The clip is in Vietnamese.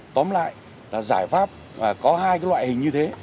tóm lại là giải pháp và có hai loại hình như thế